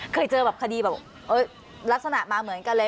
เคยเจอแบบคดีแบบลักษณะมาเหมือนกันเลย